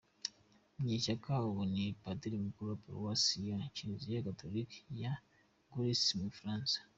Munyeshyaka, ubu ni padiri mukuru wa Paruwasi ya Kiliziya Gatolika ya Gisors mu Bufaransa.